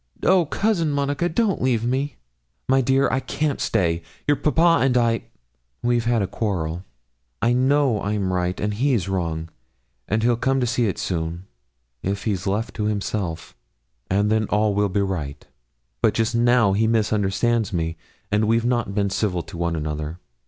Oh, Cousin Monica, don't leave me.' 'My dear, I can't stay; your papa and I we've had a quarrel. I know I'm right, and he's wrong, and he'll come to see it soon, if he's left to himself, and then all will be right. But just now he misunderstands me, and we've not been civil to one another.